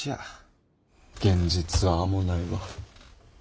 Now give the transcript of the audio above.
現実は甘ないわ。